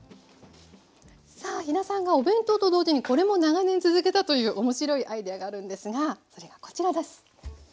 さあ飛田さんがお弁当と同時にこれも長年続けたという面白いアイデアがあるんですがそれがこちらです。